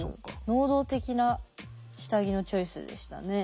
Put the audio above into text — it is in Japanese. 能動的な下着のチョイスでしたね。